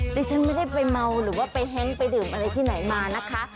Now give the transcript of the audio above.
ฉันไม่ได้ไปเมาหรือว่าไปแฮ้งไปดื่มอะไรที่ไหนมานะคะ